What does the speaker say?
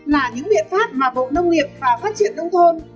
là những biện pháp mà bộ nông nghiệp và phát triển đông thôn